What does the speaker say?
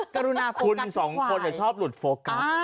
คุณสองคนชอบหลุดโฟกัส